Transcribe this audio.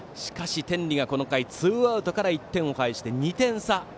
天理がこの回ツーアウトから１点を返して２点差。